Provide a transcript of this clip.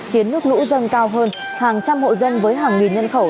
khiến nước lũ dâng cao hơn hàng trăm hộ dân với hàng nghìn nhân khẩu